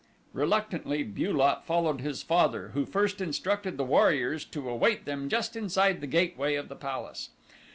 Reluctantly Bu lot followed his father, who first instructed the warriors to await them just inside the gateway of the palace.